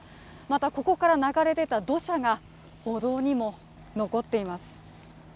またここから流れ出た土砂が、歩道にも残っています。